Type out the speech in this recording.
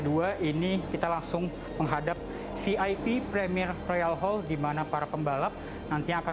dua ini kita langsung menghadap vip premier royal hall dimana para pembalap nantinya akan